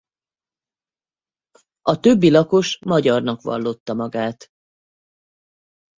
A többi lakos magyarnak vallotta magát.